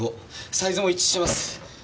サイズも一致します。